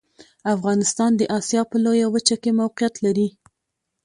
افغانستان د اسیا په لویه وچه کې موقعیت لري.